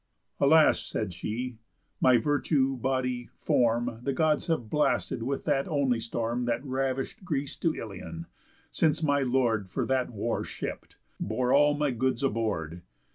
"Alas," said she, "my virtue, body, form, The Gods have blasted with that only storm That ravish'd Greece to Ilion, since my lord, For that war shipp'd, bore all my goods aboard.